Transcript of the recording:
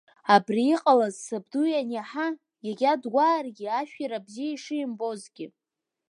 Абри иҟалаз сабду ианиаҳа, егьа дгәааргьы ашәира бзиа ишимбозгьы…